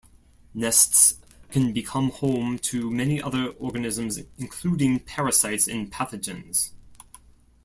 Nests can become home to many other organisms including parasites and pathogens.